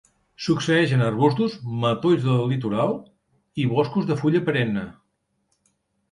Succeeix en arbustos, matolls del litoral i boscos de fulla perenne.